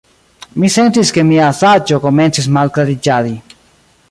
Mi sentis, ke mia saĝo komencis malklariĝadi.